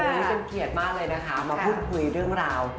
วันนี้เป็นเกียรติมากเลยนะคะมาพูดคุยเรื่องราว